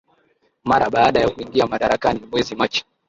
Mara baada ya kuingia madarakani mwezi Machi